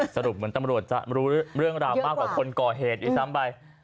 สรุปเหมือนตำรวจจะรู้เรื่องราวมากกว่าคนก่อเหตุอีกซ้ำไป